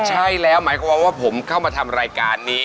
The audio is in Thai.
ใช่แล้วหมายความว่าผมเข้ามาทำรายการนี้